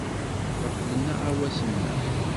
Qeblen aɣawas-nneɣ.